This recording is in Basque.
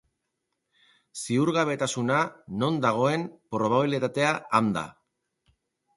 Ziurgabetasuna non dagoen, probabilitatea han da.